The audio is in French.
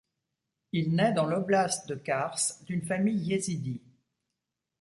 Il naît dans l'oblast de Kars d'une famille Yezidi.